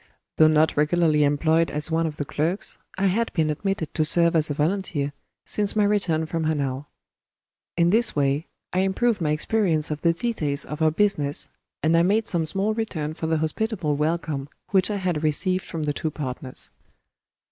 Though not regularly employed as one of the clerks, I had been admitted to serve as a volunteer, since my return from Hanau. In this way, I improved my experience of the details of our business, and I made some small return for the hospitable welcome which I had received from the two partners.